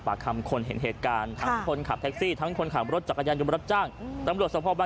พอออกมาเห็นอะไรบ้างครับ